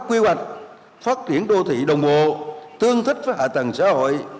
quy hoạch phát triển đô thị đồng bộ tương thích với hạ tầng xã hội